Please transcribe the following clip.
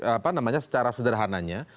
apa namanya secara sederhananya